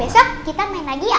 besok kita main lagi ya om